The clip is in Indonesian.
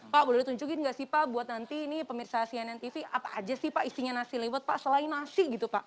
pak boleh ditunjukin nggak sih pak buat nanti ini pemirsa cnn tv apa aja sih pak isinya nasi liwet pak selain nasi gitu pak